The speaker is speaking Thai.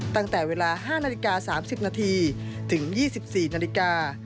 ตั้งแต่เวลา๕นาฬิกา๓๐นาทีถึง๒๔นาฬิกา